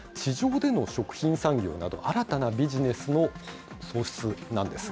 それは、地上での食品産業など、新たなビジネスの創出なんです。